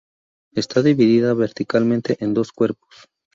Está dividida verticalmente en dos cuerpos.